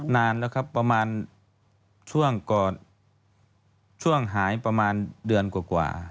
นานแล้วครับประมาณช่วงก่อนช่วงหายประมาณเดือนกว่า